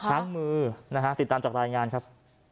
พลั้งมือติดตามจากรายงานครับ